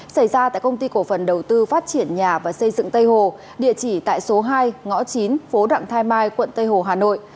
xảy ra tại công ty cổ phần đầu tư phát triển nhà và xây dựng tây hồ địa chỉ tại số hai ngõ chín phố đặng thái mai quận tây hồ hà nội